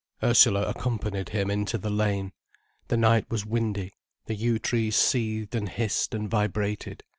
Ursula accompanied him into the lane. The night was windy, the yew trees seethed and hissed and vibrated.